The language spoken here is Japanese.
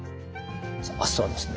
明日はですね